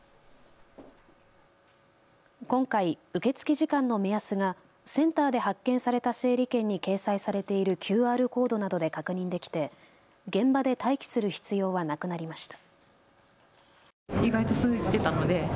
今回、受け付け時間の目安がセンターで発券された整理券に掲載されているＱＲコードなどで確認できて現場で待機する必要はなくなりました。